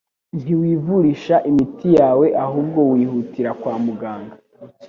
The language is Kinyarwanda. ntiwivurisha imiti yawe ahubwo wihutira kwa muganga